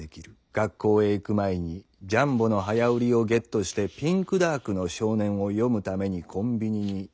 学校へ行く前に『ジャンボ』の早売りをゲットして『ピンクダークの少年』を読むためにコンビニに」。